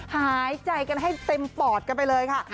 หายใจกันให้เต็มปอดกันไปเลยค่ะ